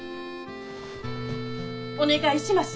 お願いします！